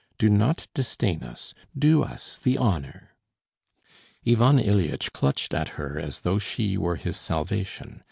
Do not disdain us; do us the honour." Ivan Ilyitch clutched at her as though she were his salvation.